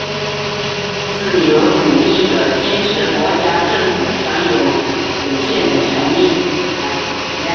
自由主义者坚持国家政府享有有限的权力。